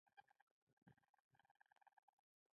وینه په ثانیه شپږ سانتي ګرځي.